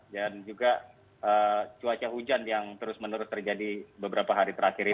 dan juga cuaca hujan yang terus menurut terjadi beberapa hari terakhir ini